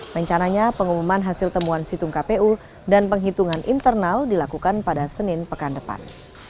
rencananya pengumuman hasil temuan situng kpu dan penghitungan internal dilakukan pada senin pekan depan